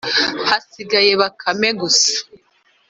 hasigara bakame gusa